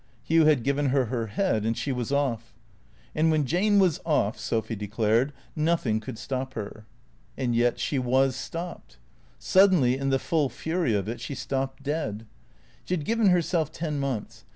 Hugh had given her her head and she was off. And when Jane was off (Sophy declared) nothing could stop her. And yet she was stopped. Suddenly, in the full fury of it, she stopped dead. She had given herself ten months.